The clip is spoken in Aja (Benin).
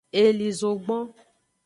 Eli zogbon.